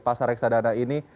di pasar reksadana ini